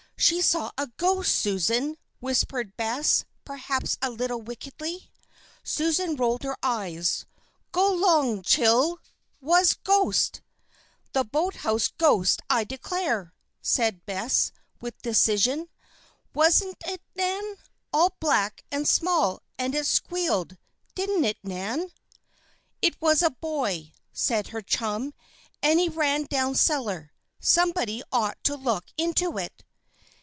"She saw a ghost, Susan," whispered Bess, perhaps a little wickedly. Susan rolled her eyes. "Go 'long, chile! Wot ghos'?" "The boathouse ghost, I declare!" said Bess, with decision. "Wasn't it, Nan? All black and small and it squealed. Didn't it, Nan?" "It was a boy," said her chum. "And he ran down cellar. Somebody ought to look into it."